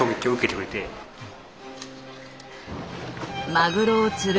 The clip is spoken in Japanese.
マグロを釣る